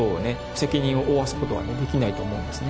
責任を負わすことはできないと思うんですね。